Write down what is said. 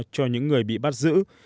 cho những người bị bắt giữ